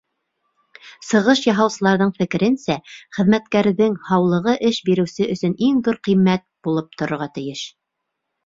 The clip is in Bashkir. Сығыш яһаусыларҙың фекеренсә, хеҙмәткәрҙең һаулығы эш биреүсе өсөн иң ҙур ҡиммәт булып торорға тейеш.